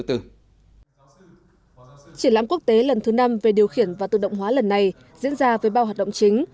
triển lãm quốc tế lần thứ năm về điều khiển và tự động hóa lần này diễn ra với bao hoạt động chính